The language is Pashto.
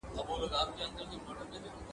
د خره په تندي کي محراب نه وي.